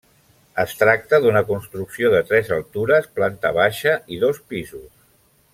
Es tracta d'una construcció de tres altures, planta baixa i dos pisos.